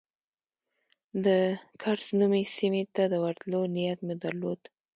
د کرز نومي سیمې ته د ورتلو نیت مو درلود.